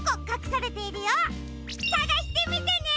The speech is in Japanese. さがしてみてね！